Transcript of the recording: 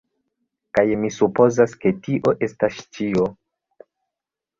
Kaj mi supozas ke tio estas ĉio.